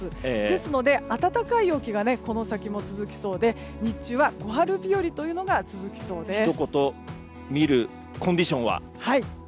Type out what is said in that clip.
ですので、暖かい陽気がこの先も続きそうで日中は小春日和が続きそうです。